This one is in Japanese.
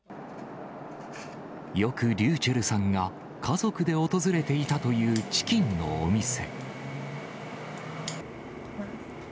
よくｒｙｕｃｈｅｌｌさんが家族で訪れていたというチキンのお店。